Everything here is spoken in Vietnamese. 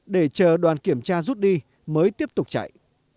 để chờ đoàn kiểm tra rút đi mới tiếp tục chạy